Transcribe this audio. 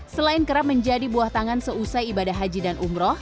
selain kerap menjadi buah tangan seusai ibadah haji dan umroh